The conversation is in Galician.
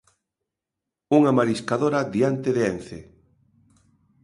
Unha mariscadora diante de Ence.